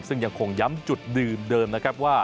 ซึ่งยังคงย้ำจุดดื่มเดิมนะครับว่า